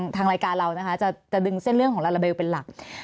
ทางรายการเรานะคะจะดึงเส้นเรื่องของลาลาเบลเป็นหลัก